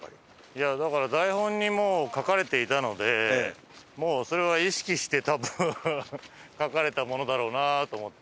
いやだから台本にもう書かれていたのでもうそれは意識して多分書かれたものだろうなと思って。